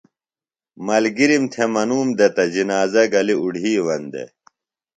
ملگِرِم تھےۡ منُوم دےۡ تہ جِنازہ گلیۡ اُڈھیوَن دےۡ